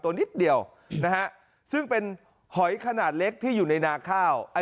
นิดเดียวนะฮะซึ่งเป็นหอยขนาดเล็กที่อยู่ในนาข้าว